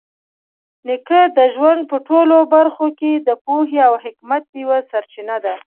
نیکه د ژوند په ټولو برخو کې د پوهې او حکمت یوه سرچینه ده.